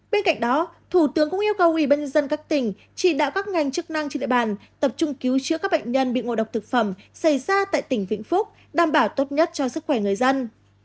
bên cạnh đó thủ tướng cũng yêu cầu ubnd các tỉnh chỉ đạo các ngành chức năng trên địa bàn tập trung cứu chữa các bệnh nhân bị ngộ độc thực phẩm xảy ra tại tỉnh vĩnh phúc đảm bảo tốt nhất cho sức khỏe người dân